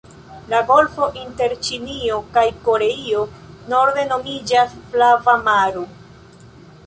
La golfo inter Ĉinio kaj Koreio norde nomiĝas Flava maro.